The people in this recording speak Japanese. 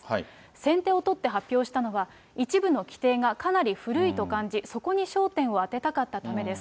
先手を取って発表したのは、一部の規定がかなり古いと感じ、そこに焦点を当てたかったためです。